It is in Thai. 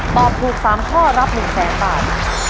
ตอบถูก๓ข้อรับ๑๐๑๐๐๐บาท